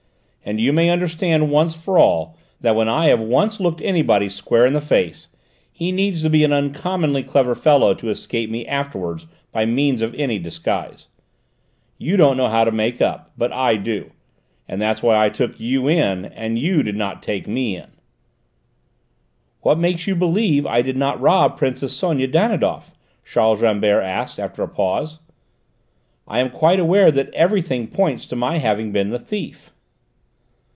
"And you may understand once for all that when I have once looked anybody square in the face, he needs to be an uncommonly clever fellow to escape me afterwards by means of any disguise. You don't know how to make up, but I do; and that's why I took you in and you did not take me in." "What makes you believe I did not rob Princess Sonia Danidoff?" Charles Rambert asked after a pause. "I am quite aware that everything points to my having been the thief."